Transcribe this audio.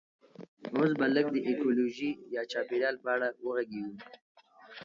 اوس به لږ د ایکولوژي یا چاپیریال په اړه وغږیږو